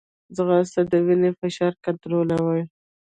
ځغاسته د وینې فشار کنټرولوي